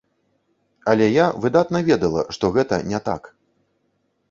Але я выдатна ведала, што гэта не так.